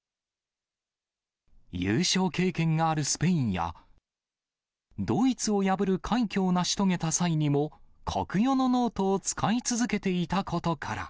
優勝経験があるスペインや、ドイツを破る快挙を成し遂げた際にも、コクヨのノートを使い続け